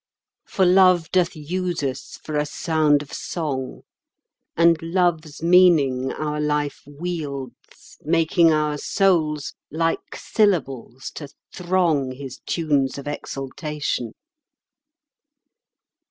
For Love doth use us for a sound of song, And Love's meaning our life wields, Making our souls like syllables to throng His tunes of exultation.